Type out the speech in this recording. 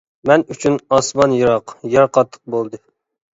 مەن ئۈچۈن ئاسمان يىراق، يەر قاتتىق بولدى.